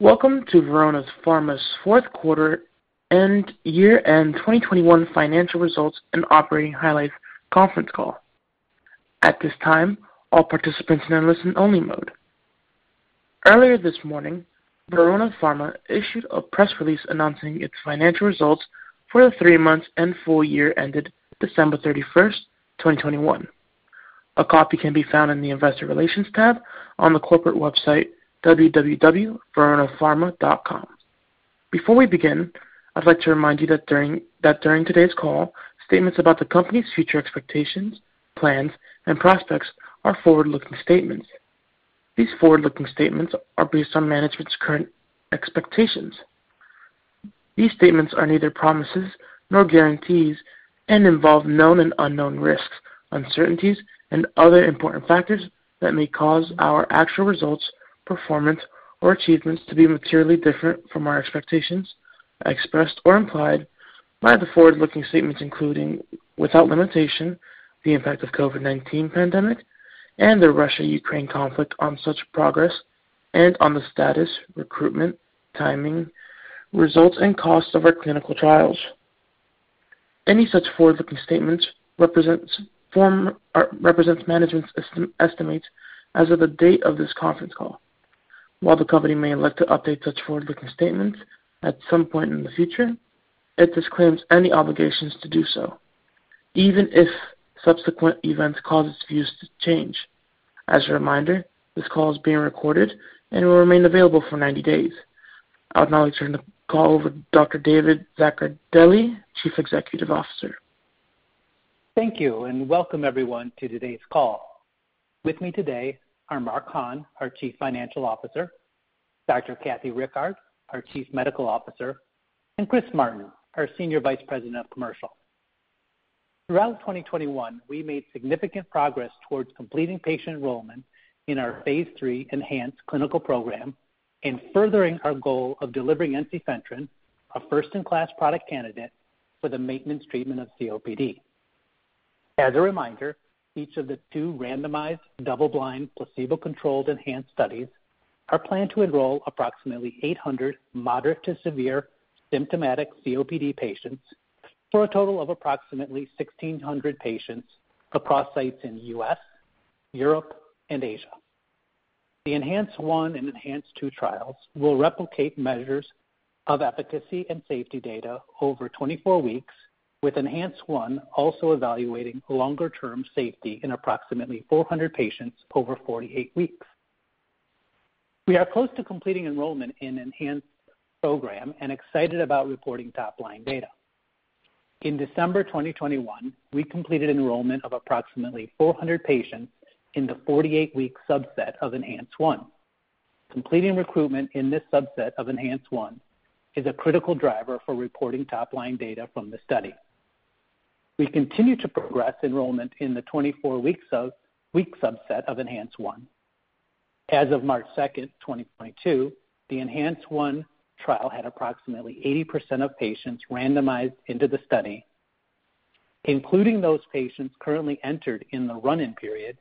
Welcome to Verona Pharma's fourth quarter and year-end 2021 financial results and operating highlights conference call. At this time, all participants are in listen-only mode. Earlier this morning, Verona Pharma issued a press release announcing its financial results for the three months and full year ended December 31st, 2021. A copy can be found in the investor relations tab on the corporate website www.veronapharma.com. Before we begin, I'd like to remind you that during today's call, statements about the company's future expectations, plans and prospects are forward-looking statements. These forward-looking statements are based on management's current expectations. These statements are neither promises nor guarantees and involve known and unknown risks, uncertainties and other important factors that may cause our actual results, performance or achievements to be materially different from our expectations, expressed or implied by the forward-looking statements, including, without limitation, the impact of COVID-19 pandemic and the Russia-Ukraine conflict on such progress and on the status, recruitment, timing, results and costs of our clinical trials. Any such forward-looking statements represents management's estimate as of the date of this conference call. While the company may elect to update such forward-looking statements at some point in the future, it disclaims any obligations to do so, even if subsequent events cause its views to change. As a reminder, this call is being recorded and will remain available for 90 days. I'll now turn the call over to Dr. David Zaccardelli, Chief Executive Officer. Thank you, and welcome everyone to today's call. With me today are Mark Hahn, our Chief Financial Officer, Dr. Kathy Rickard, our Chief Medical Officer, and Chris Martin, our Senior Vice President of Commercial. Throughout 2021, we made significant progress towards completing patient enrollment in our phase III ENHANCE clinical program and furthering our goal of delivering ensifentrine, a first-in-class product candidate for the maintenance treatment of COPD. As a reminder, each of the two randomized double-blind placebo-controlled ENHANCE studies are planned to enroll approximately 800 moderate to severe symptomatic COPD patients for a total of approximately 1,600 patients across sites in U.S., Europe and Asia. The ENHANCE-1 and ENHANCE-2 trials will replicate measures of efficacy and safety data over 24 weeks, with ENHANCE-1 also evaluating longer term safety in approximately 400 patients over 48 weeks. We are close to completing enrollment in ENHANCE program and excited about reporting top line data. In December 2021, we completed enrollment of approximately 400 patients in the 48-week subset of ENHANCE-1. Completing recruitment in this subset of ENHANCE-1 is a critical driver for reporting top line data from the study. We continue to progress enrollment in the 24-week subset of ENHANCE-1. As of March 2nd, 2022, the ENHANCE-1 trial had approximately 80% of patients randomized into the study. Including those patients currently entered in the run-in period,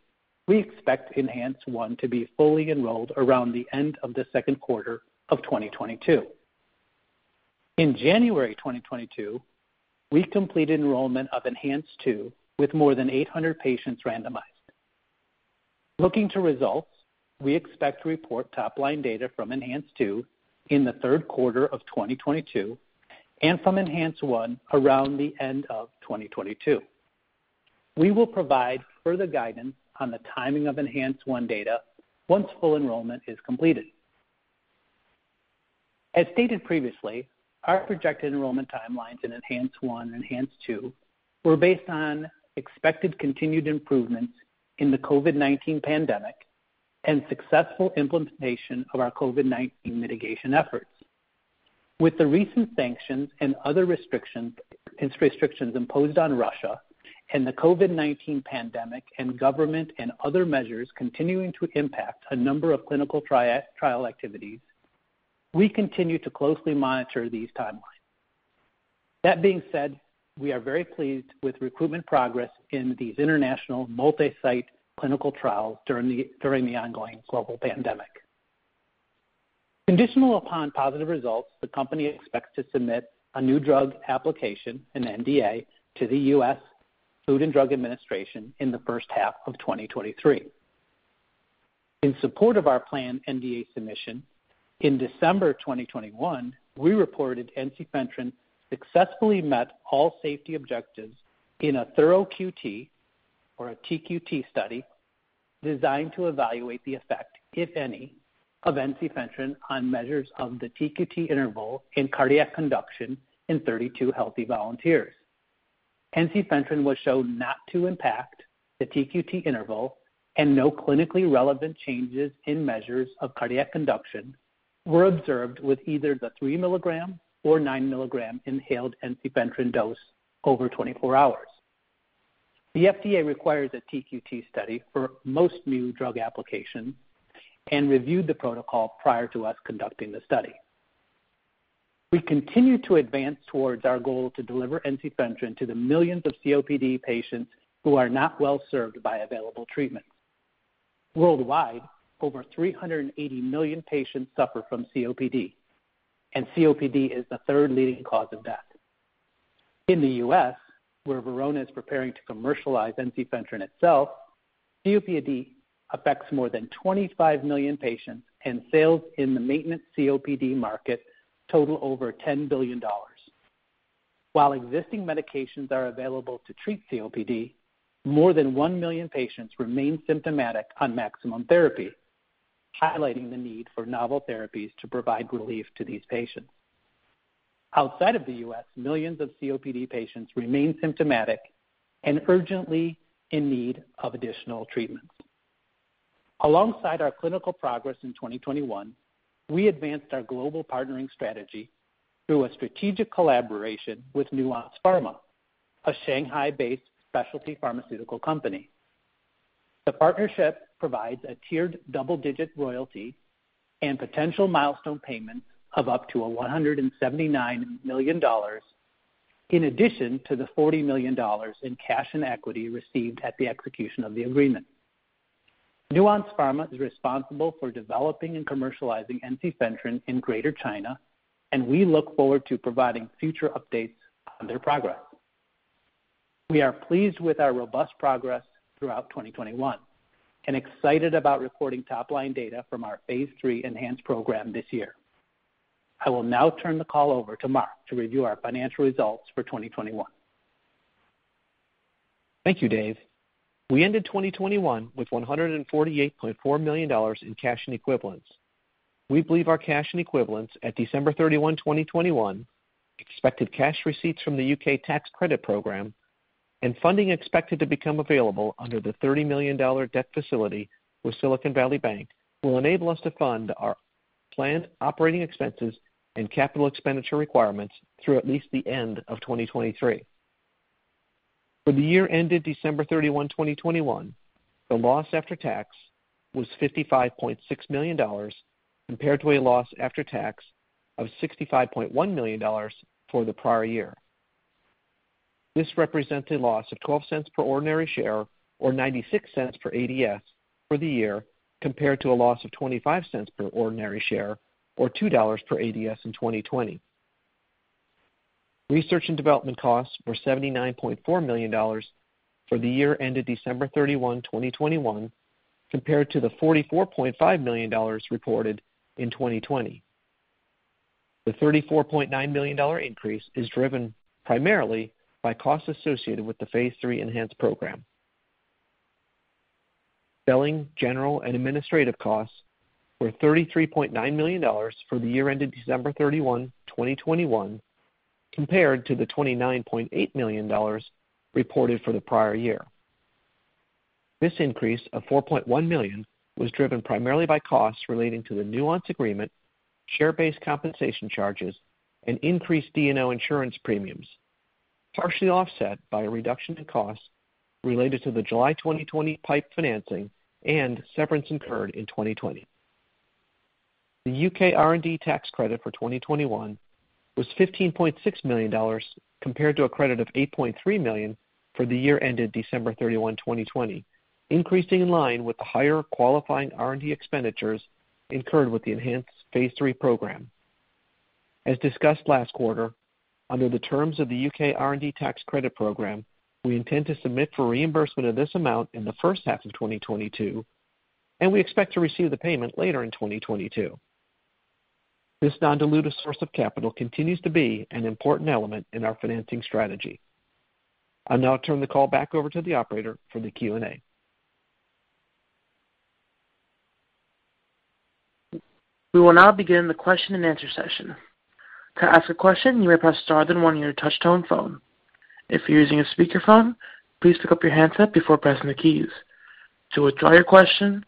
we expect ENHANCE-1 to be fully enrolled around the end of the second quarter of 2022. In January 2022, we completed enrollment of ENHANCE-2 with more than 800 patients randomized. Looking to results, we expect to report top-line data from ENHANCE-2 in the third quarter of 2022 and from ENHANCE-1 around the end of 2022. We will provide further guidance on the timing of ENHANCE-1 data once full enrollment is completed. As stated previously, our projected enrollment timelines in ENHANCE-1 and ENHANCE-2 were based on expected continued improvements in the COVID-19 pandemic and successful implementation of our COVID-19 mitigation efforts. With the recent sanctions and other restrictions imposed on Russia and the COVID-19 pandemic and government and other measures continuing to impact a number of clinical trial activities, we continue to closely monitor these timelines. That being said, we are very pleased with recruitment progress in these international multi-site clinical trials during the ongoing global pandemic. Conditional upon positive results, the company expects to submit a new drug application, an NDA, to the U.S. Food and Drug Administration in the first half of 2023. In support of our planned NDA submission, in December 2021, we reported ensifentrine successfully met all safety objectives in a thorough QT or a TQT study designed to evaluate the effect, if any, of ensifentrine on measures of the TQT interval in cardiac conduction in 32 healthy volunteers. Ensifentrine was shown not to impact the TQT interval and no clinically relevant changes in measures of cardiac conduction were observed with either the 3 mg or 9 mg inhaled ensifentrine dose over 24 hours. The FDA requires a TQT study for most new drug applications and reviewed the protocol prior to us conducting the study. We continue to advance towards our goal to deliver ensifentrine to the millions of COPD patients who are not well-served by available treatments. Worldwide, over 380 million patients suffer from COPD, and COPD is the third leading cause of death. In the U.S., where Verona is preparing to commercialize ensifentrine itself, COPD affects more than 25 million patients, and sales in the maintenance COPD market total over $10 billion. While existing medications are available to treat COPD, more than 1 million patients remain symptomatic on maximum therapy, highlighting the need for novel therapies to provide relief to these patients. Outside of the U.S., millions of COPD patients remain symptomatic and urgently in need of additional treatments. Alongside our clinical progress in 2021, we advanced our global partnering strategy through a strategic collaboration with Nuance Pharma, a Shanghai-based specialty pharmaceutical company. The partnership provides a tiered double-digit royalty and potential milestone payment of up to $179 million in addition to the $40 million in cash and equity received at the execution of the agreement. Nuance Pharma is responsible for developing and commercializing ensifentrine in Greater China, and we look forward to providing future updates on their progress. We are pleased with our robust progress throughout 2021 and excited about reporting top-line data from our phase III ENHANCE program this year. I will now turn the call over to Mark to review our financial results for 2021. Thank you, Dave. We ended 2021 with $148.4 million in cash and equivalents. We believe our cash and equivalents at December 31, 2021, expected cash receipts from the U.K. tax credit program and funding expected to become available under the $30 million debt facility with Silicon Valley Bank will enable us to fund our planned operating expenses and capital expenditure requirements through at least the end of 2023. For the year ended December 31, 2021, the loss after tax was $55.6 million, compared to a loss after tax of $65.1 million for the prior year. This represents a loss of $0.12 per ordinary share or $0.96 per ADS for the year, compared to a loss of $0.25 per ordinary share or $2 per ADS in 2020. Research and development costs were $79.4 million for the year ended December 31, 2021, compared to the $44.5 million reported in 2020. The $34.9 million increase is driven primarily by costs associated with the phase III ENHANCE program. Selling, general and administrative costs were $33.9 million for the year ended December 31, 2021, compared to the $29.8 million reported for the prior year. This increase of $4.1 million was driven primarily by costs relating to the Nuance agreement, share-based compensation charges, and increased D&O insurance premiums, partially offset by a reduction to costs related to the July 2020 PIPE financing and severance incurred in 2020. The U.K. R&D tax credit for 2021 was $15.6 million, compared to a credit of $8.3 million for the year ended December 31, 2020, increasing in line with the higher qualifying R&D expenditures incurred with the ENHANCE phase III program. As discussed last quarter, under the terms of the U.K. R&D tax credit program, we intend to submit for reimbursement of this amount in the first half of 2022, and we expect to receive the payment later in 2022. This non-dilutive source of capital continues to be an important element in our financing strategy. I'll now turn the call back over to the operator for the Q&A. We will now begin the question-and-answer session. To ask a question, you may press star then one on your touch-tone phone. If you're using a speakerphone, please pick up your handset before pressing the keys. To withdraw your question,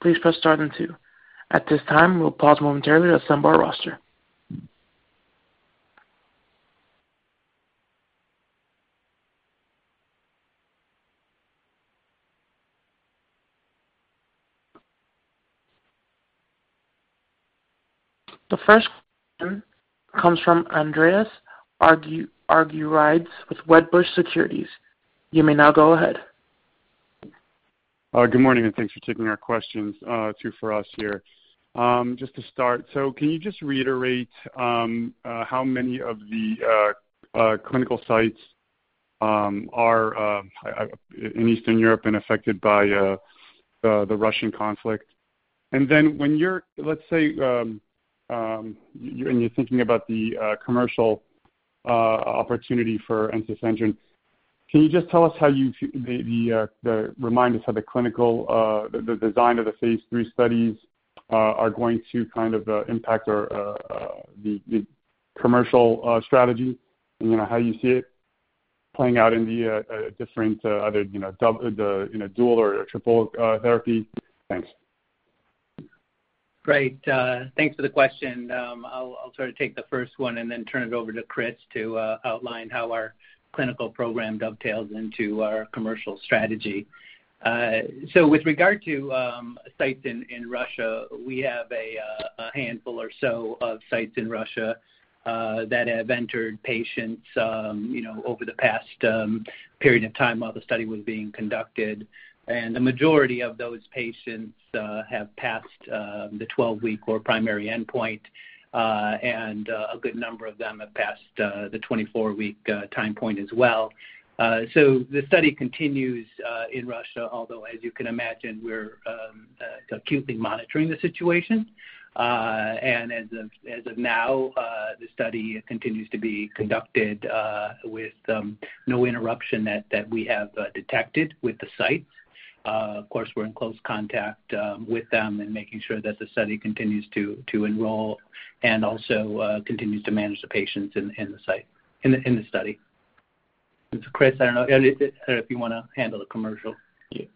please press star then two. At this time, we'll pause momentarily to assemble our roster. The first question comes from Andreas Argyrides with Wedbush Securities. You may now go ahead. Good morning, and thanks for taking our questions, two for us here. Just to start, can you just reiterate how many of the clinical sites in Eastern Europe have been affected by the Russian conflict? And then, when you're thinking about the commercial opportunity for ensifentrine, can you just remind us how the clinical design of the phase III studies are going to kind of impact the commercial strategy and, you know, how you see it playing out in the different, you know, dual or triple therapy? Thanks. Great. Thanks for the question. I'll sort of take the first one and then turn it over to Chris to outline how our clinical program dovetails into our commercial strategy. With regard to sites in Russia, we have a handful or so of sites in Russia that have entered patients, you know, over the past period of time while the study was being conducted. The majority of those patients have passed the 12-week or primary endpoint, and a good number of them have passed the 24-week time point as well. The study continues in Russia, although as you can imagine, we're acutely monitoring the situation. As of now, the study continues to be conducted with no interruption that we have detected with the sites. Of course, we're in close contact with them and making sure that the study continues to enroll and also continues to manage the patients in the study. Chris, I don't know if you wanna handle the commercial.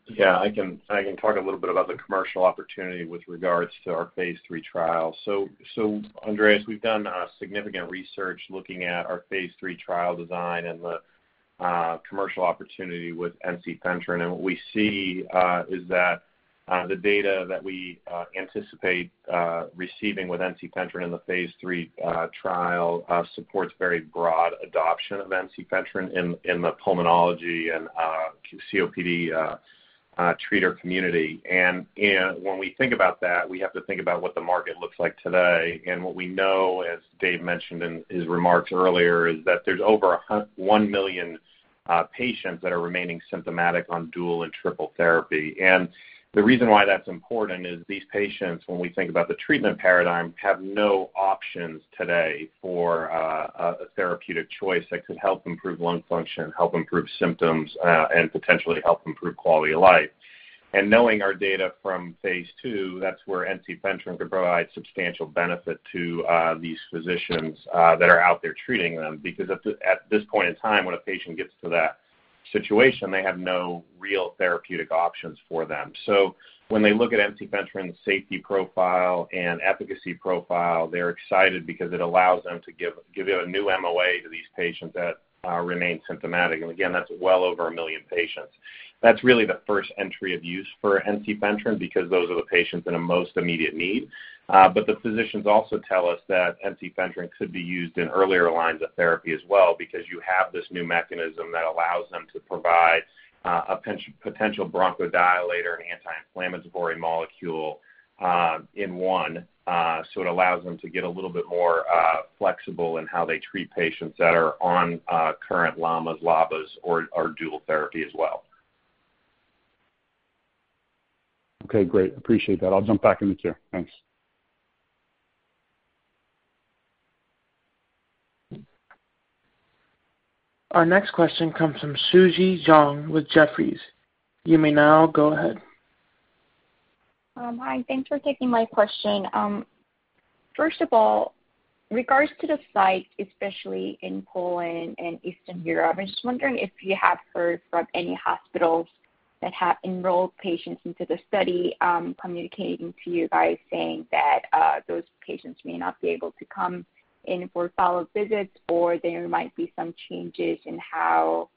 Yeah, I can talk a little bit about the commercial opportunity with regards to our phase III trial. Andreas, we've done significant research looking at our phase III trial design and the commercial opportunity with ensifentrine. What we see is that the data that we anticipate receiving with ensifentrine in the phase III trial supports very broad adoption of ensifentrine in the pulmonology and COPD treater community. When we think about that, we have to think about what the market looks like today. What we know, as Dave mentioned in his remarks earlier, is that there's over 1 million patients that are remaining symptomatic on dual and triple therapy. The reason why that's important is these patients, when we think about the treatment paradigm, have no options today for a therapeutic choice that could help improve lung function, help improve symptoms, and potentially help improve quality of life. Knowing our data from phase II, that's where ensifentrine could provide substantial benefit to these physicians that are out there treating them. Because at this point in time, when a patient gets to that situation, they have no real therapeutic options for them. So when they look at ensifentrine's safety profile and efficacy profile, they're excited because it allows them to give a new MOA to these patients that remain symptomatic. Again, that's well over a million patients. That's really the first entry of use for ensifentrine because those are the patients in most immediate need. The physicians also tell us that ensifentrine could be used in earlier lines of therapy as well because you have this new mechanism that allows them to provide a potential bronchodilator and anti-inflammatory molecule in one. It allows them to get a little bit more flexible in how they treat patients that are on current LAMAs, LABAs or dual therapy as well. Okay, great. Appreciate that. I'll jump back in the queue. Thanks. Our next question comes from Suji Zhang with Jefferies. You may now go ahead. Hi. Thanks for taking my question. First of all, regards to the site, especially in Poland and Eastern Europe, I'm just wondering if you have heard from any hospitals that have enrolled patients into the study, communicating to you guys saying that, those patients may not be able to come in for follow-up visits, or there might be some changes in how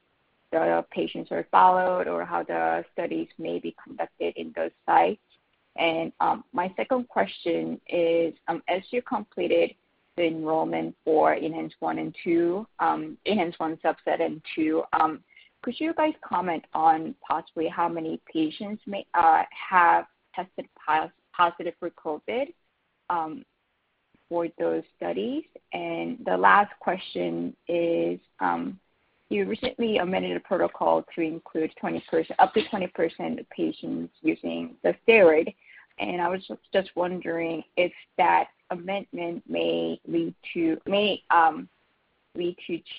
the patients are followed or how the studies may be conducted in those sites. My second question is, as you completed the enrollment for ENHANCE-1 and 2, ENHANCE-1 subset and 2, could you guys comment on possibly how many patients may have tested positive for COVID, for those studies? The last question is, you recently amended a protocol to include up to 20% of patients using the steroid, and I was just wondering if that amendment may lead to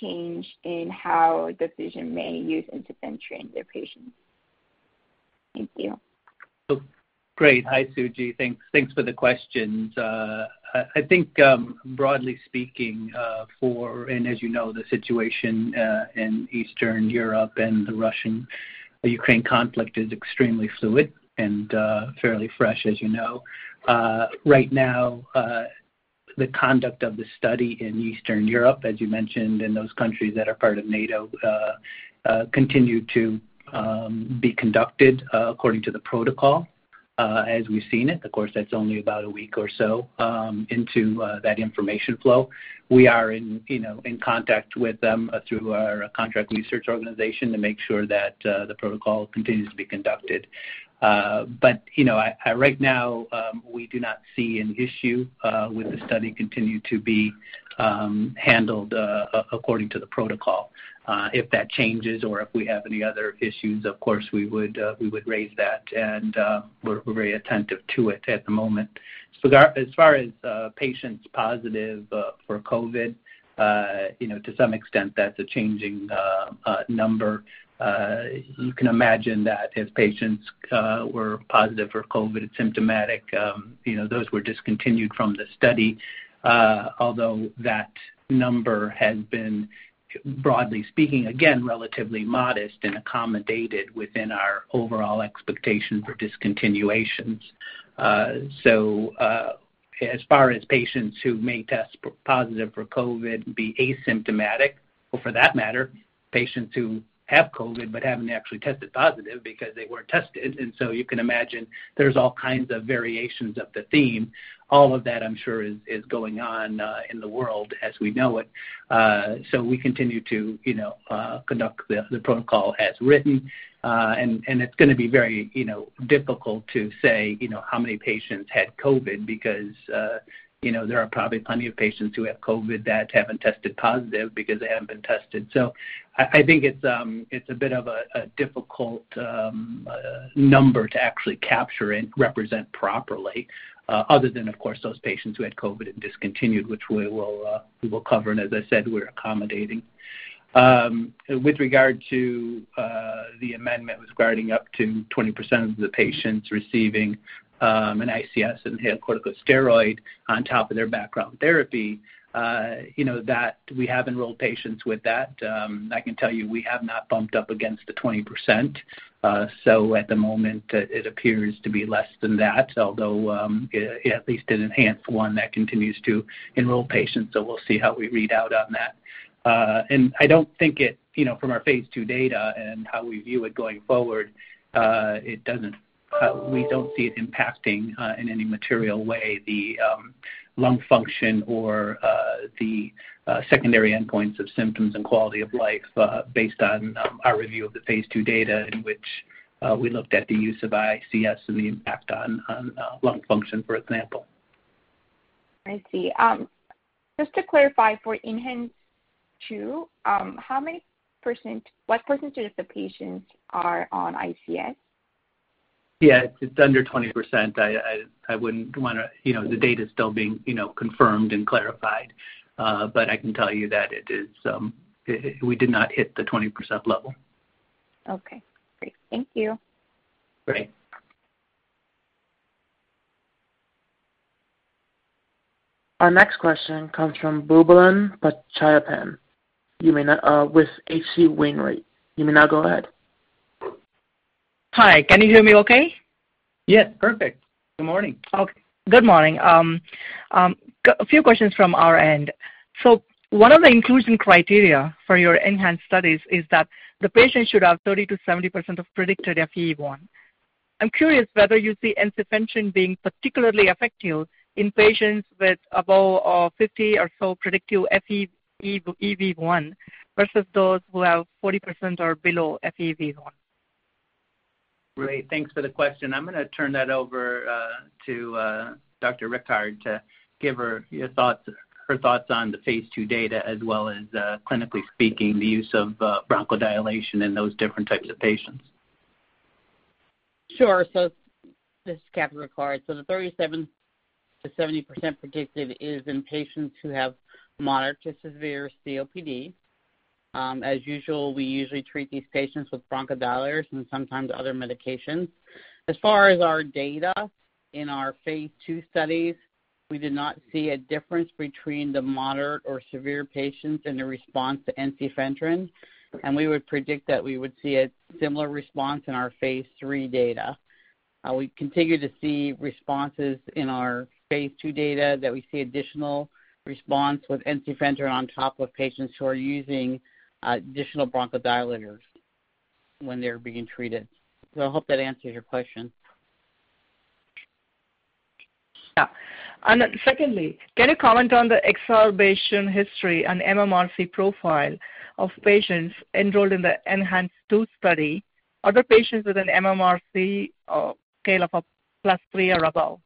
change in how the physician may use ensifentrine in their patients. Thank you. Great. Hi, Suji. Thanks for the questions. I think, broadly speaking, as you know, the situation in Eastern Europe and the Russia-Ukraine conflict is extremely fluid and fairly fresh, as you know. Right now, the conduct of the study in Eastern Europe, as you mentioned in those countries that are part of NATO, continue to be conducted according to the protocol, as we've seen it. Of course, that's only about a week or so into that information flow. We are, you know, in contact with them through our contract research organization to make sure that the protocol continues to be conducted. You know, right now we do not see an issue with the study continue to be handled according to the protocol. If that changes or if we have any other issues, of course we would raise that, and we're very attentive to it at the moment. As far as patients positive for COVID, you know, to some extent that's a changing number. You can imagine that if patients were positive for COVID symptomatic, you know, those were discontinued from the study, although that number has been, broadly speaking, again, relatively modest and accommodated within our overall expectation for discontinuations. As far as patients who may test positive for COVID and be asymptomatic. Or for that matter, patients who have COVID but haven't actually tested positive because they weren't tested. You can imagine there's all kinds of variations of the theme. All of that, I'm sure is going on, in the world as we know it. We continue to, you know, conduct the protocol as written. It's gonna be very, you know, difficult to say, you know, how many patients had COVID because, you know, there are probably plenty of patients who have COVID that haven't tested positive because they haven't been tested. I think it's a bit of a difficult number to actually capture and represent properly, other than, of course, those patients who had COVID and discontinued, which we will cover, and as I said, we're accommodating. With regard to the amendment regarding up to 20% of the patients receiving an ICS inhaled corticosteroid on top of their background therapy, you know, that we have enrolled patients with that. I can tell you, we have not bumped up against the 20%. At the moment, it appears to be less than that, although at least in ENHANCE-1 that continues to enroll patients. We'll see how we read out on that. I don't think it, you know, from our phase II data and how we view it going forward, we don't see it impacting in any material way the lung function or the secondary endpoints of symptoms and quality of life, based on our review of the phase II data in which we looked at the use of ICS and the impact on lung function, for example. I see. Just to clarify for ENHANCE-2, what percentage of the patients are on ICS? Yeah. It's under 20%. I wouldn't wanna. You know, the data is still being, you know, confirmed and clarified. I can tell you that it is. We did not hit the 20% level. Okay. Great. Thank you. Great. Our next question comes from Boobalan Pachaiyappan with H.C. Wainwright. You may now go ahead. Hi. Can you hear me okay? Yes. Perfect. Good morning. Okay. Good morning. A few questions from our end. One of the inclusion criteria for your ENHANCE studies is that the patient should have 30%-70% of predicted FEV1. I'm curious whether you see ensifentrine being particularly effective in patients with above 50% or so predicted FEV1 versus those who have 40% or below FEV1. Great. Thanks for the question. I'm gonna turn that over to Dr. Rickard to give her thoughts on the phase II data, as well as, clinically speaking, the use of bronchodilation in those different types of patients. Sure. This is Kathleen Rickard. The 30%-70% predicted is in patients who have moderate to severe COPD. As usual, we usually treat these patients with bronchodilators and sometimes other medications. As far as our data in our phase II studies, we did not see a difference between the moderate or severe patients in the response to ensifentrine, and we would predict that we would see a similar response in our phase III data. We continue to see responses in our phase II data that we see additional response with ensifentrine on top of patients who are using additional bronchodilators when they're being treated. I hope that answers your question. Yeah. Secondly, can you comment on the exacerbation history and mMRC profile of patients enrolled in the ENHANCE-2 study? Are the patients with an mMRC scale of a +3 or above?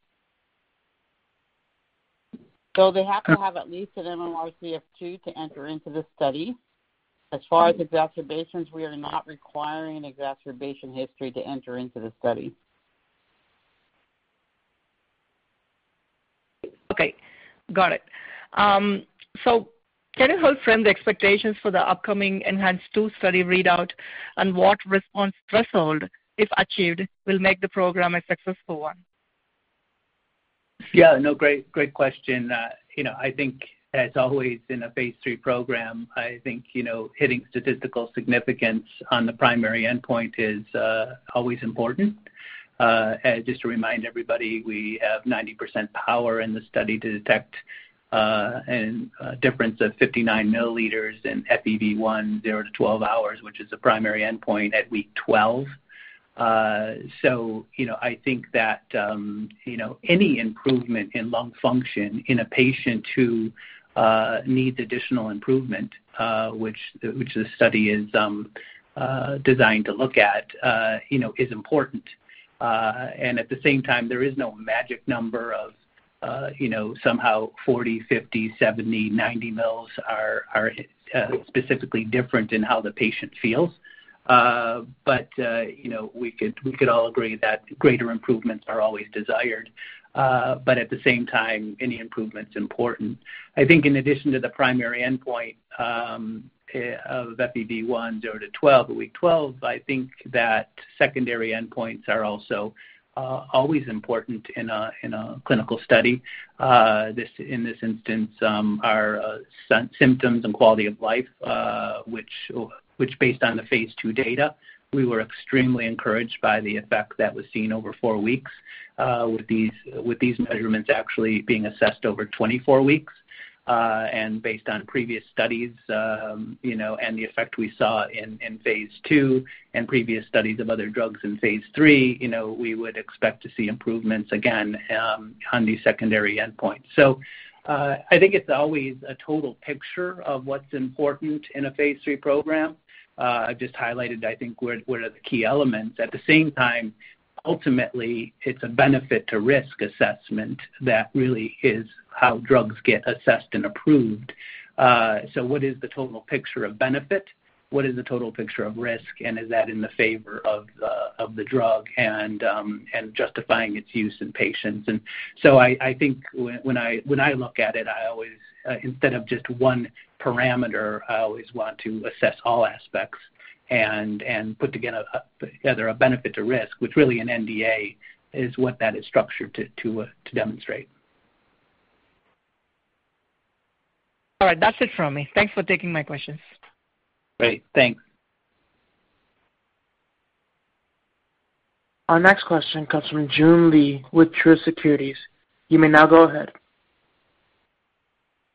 They have to have at least an mMRC of two to enter into the study. As far as exacerbations, we are not requiring exacerbation history to enter into the study. Okay. Got it. Can you help frame the expectations for the upcoming ENHANCE-2 study readout and what response threshold, if achieved, will make the program a successful one? Yeah. No, great question. You know, I think as always in a phase III program, I think, you know, hitting statistical significance on the primary endpoint is always important. Just to remind everybody, we have 90% power in the study to detect a difference of 59 mL in FEV1 zero to 12 hours, which is the primary endpoint at week 12. You know, I think that, you know, any improvement in lung function in a patient who needs additional improvement, which this study is designed to look at, you know, is important. And at the same time, there is no magic number of, you know, somehow 40 mL, 50 mL, 70 mL, 90 mL are specifically different in how the patient feels. We could all agree that greater improvements are always desired. At the same time, any improvement's important. I think in addition to the primary endpoint of FEV1 zero to 12 at week 12, I think that secondary endpoints are also always important in a clinical study. In this instance, symptoms and quality of life, which based on the phase II data, we were extremely encouraged by the effect that was seen over four weeks, with these measurements actually being assessed over 24 weeks. Based on previous studies, and the effect we saw in phase II and previous studies of other drugs in phase III, we would expect to see improvements again on these secondary endpoints. I think it's always a total picture of what's important in a phase III program. I've just highlighted, I think, where what are the key elements. At the same time, ultimately, it's a benefit to risk assessment that really is how drugs get assessed and approved. What is the total picture of benefit? What is the total picture of risk, and is that in the favor of the drug and justifying its use in patients? I think when I look at it, I always, instead of just one parameter, I always want to assess all aspects and put together a benefit to risk, which really an NDA is what that is structured to demonstrate. All right. That's it from me. Thanks for taking my questions. Great. Thanks. Our next question comes from Joon Lee with Truist Securities. You may now go ahead.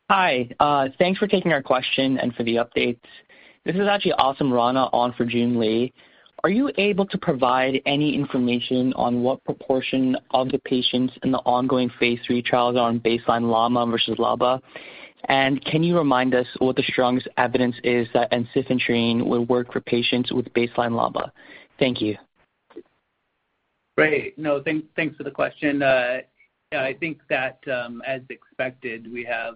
Hi. Thanks for taking our question and for the updates. This is actually Asim Rana on for Joon Lee. Are you able to provide any information on what proportion of the patients in the ongoing phase III trials are on baseline LAMA versus LABA? And can you remind us what the strongest evidence is that ensifentrine will work for patients with baseline LABA? Thank you. Thanks for the question. As expected, we have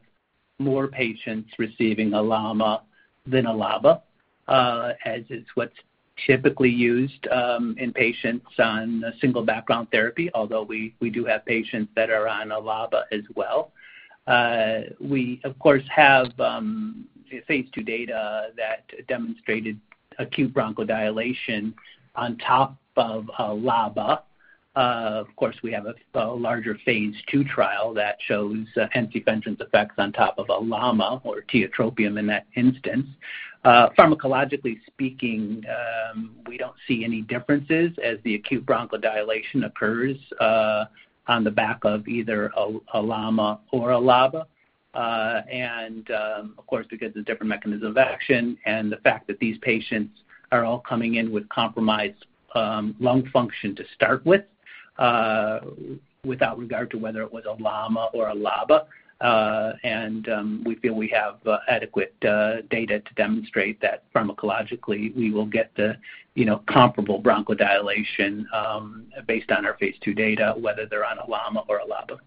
more patients receiving a LAMA than a LABA, as is what's typically used in patients on a single background therapy, although we do have patients that are on a LABA as well. We, of course, have phase II data that demonstrated acute bronchodilation on top of a LABA. Of course, we have a larger phase II trial that shows ensifentrine's effects on top of a LAMA or tiotropium in that instance. Pharmacologically speaking, we don't see any differences as the acute bronchodilation occurs on the back of either a LAMA or a LABA. Of course, because the different mechanism of action and the fact that these patients are all coming in with compromised lung function to start with, without regard to whether it was a LAMA or a LABA. We feel we have adequate data to demonstrate that pharmacologically we will get the, you know, comparable bronchodilation, based on our phase II data, whether they're on a LAMA or a LABA.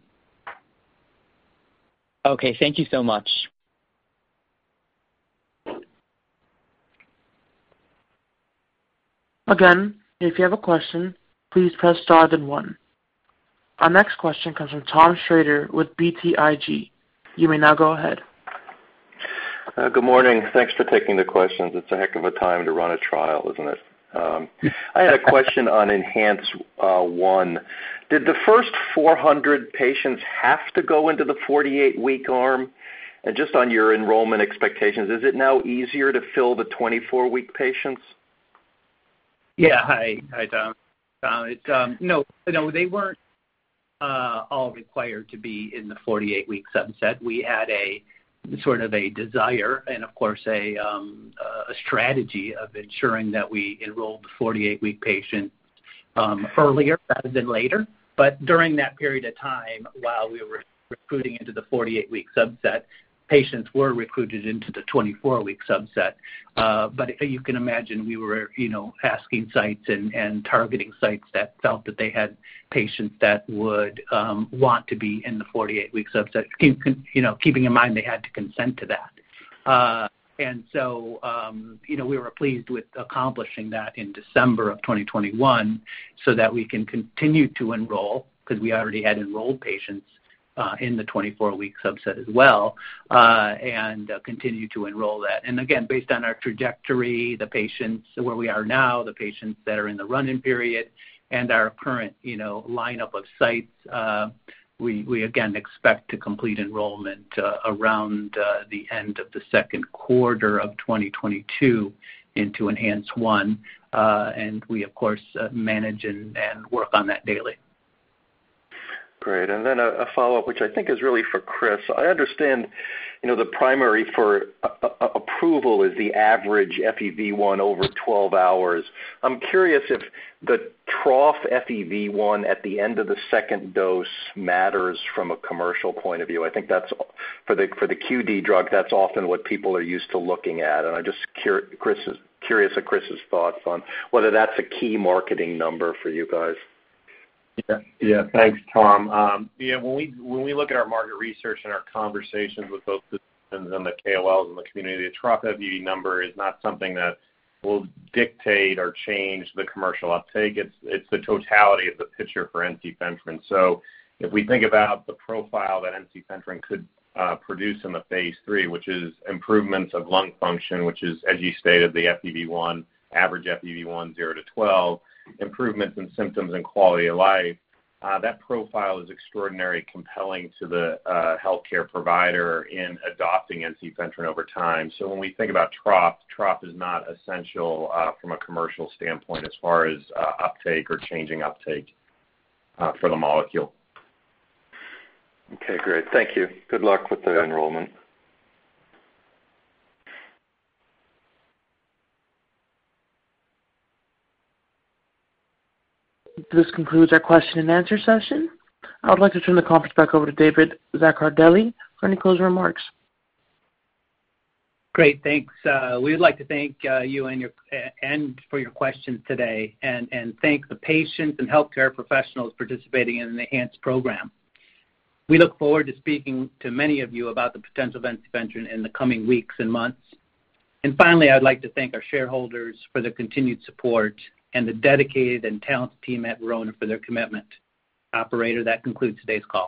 Okay. Thank you so much. Again, if you have a question, please press star then one. Our next question comes from Thomas Shrader with BTIG. You may now go ahead. Good morning. Thanks for taking the questions. It's a heck of a time to run a trial, isn't it? I had a question on ENHANCE-1. Did the first 400 patients have to go into the 48-week arm? Just on your enrollment expectations, is it now easier to fill the 24-week patients? Hi, Tom. No, they weren't all required to be in the 48-week subset. We had a sort of a desire and, of course, a strategy of ensuring that we enrolled the 48-week patients earlier rather than later. During that period of time, while we were recruiting into the 48-week subset, patients were recruited into the 24-week subset. You can imagine we were, you know, asking sites and targeting sites that felt that they had patients that would want to be in the 48-week subset. You know, keeping in mind they had to consent to that. You know, we were pleased with accomplishing that in December of 2021 so that we can continue to enroll because we already had enrolled patients in the 24-week subset as well and continue to enroll that. Again, based on our trajectory, the patients where we are now, the patients that are in the run-in period, and our current lineup of sites, we again expect to complete enrollment around the end of the second quarter of 2022 into ENHANCE-1. We, of course, manage and work on that daily. Great. Then a follow-up, which I think is really for Chris. I understand, you know, the primary for approval is the average FEV1 over 12 hours. I'm curious if the trough FEV1 at the end of the second dose matters from a commercial point of view. I think that's, for the QD drug, that's often what people are used to looking at. I'm just curious of Chris's thoughts on whether that's a key marketing number for you guys. Thanks, Tom. When we look at our market research and our conversations with both the physicians and the KOLs in the community, the trough FEV1 number is not something that will dictate or change the commercial uptake. It's the totality of the picture for ensifentrine. If we think about the profile that ensifentrine could produce in the phase III, which is improvements of lung function, which is, as you stated, the FEV1, average FEV1 zero to 12, improvements in symptoms and quality of life, that profile is extraordinarily compelling to the healthcare provider in adopting ensifentrine over time. When we think about trough is not essential from a commercial standpoint as far as uptake or changing uptake for the molecule. Okay. Great. Thank you. Good luck with the enrollment. This concludes our question and answer session. I would like to turn the conference back over to David Zaccardelli for any closing remarks. Great. Thanks. We would like to thank you for your questions today and thank the patients and healthcare professionals participating in the ENHANCE program. We look forward to speaking to many of you about the potential of ensifentrine in the coming weeks and months. Finally, I'd like to thank our shareholders for their continued support and the dedicated and talented team at Verona for their commitment. Operator, that concludes today's call.